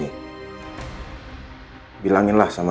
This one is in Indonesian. yah belum dia cerita